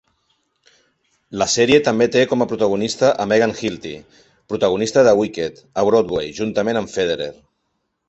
La sèrie també té com a protagonista a Megan Hilty, protagonista de "Wicked" a Broadway juntament amb Federer.